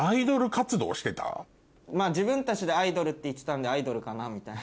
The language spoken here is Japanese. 自分たちでアイドルって言ってたんでアイドルかなみたいな。